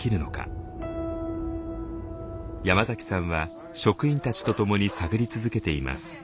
山崎さんは職員たちと共に探り続けています。